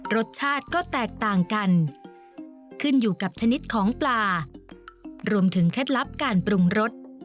รสชาติก็แตกต่างกันขึ้นอยู่กับชนิดของปลารวมถึงเคล็ดลับการปรุงรส